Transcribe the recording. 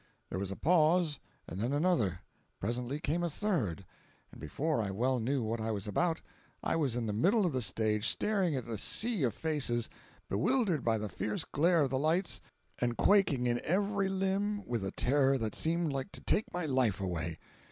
There was a pause, and then another; presently came a third, and before I well knew what I was about, I was in the middle of the stage, staring at a sea of faces, bewildered by the fierce glare of the lights, and quaking in every limb with a terror that seemed like to take my life away.